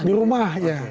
di rumah ya